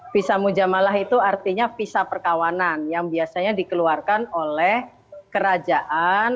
visa mujamalah itu artinya visa perkawanan yang biasanya dikeluarkan oleh kerajaan